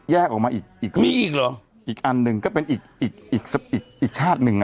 ออกมาอีกอีกก็มีอีกเหรออีกอันหนึ่งก็เป็นอีกอีกอีกชาติหนึ่งอ่ะ